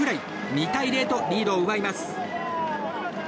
２対０とリードを奪います。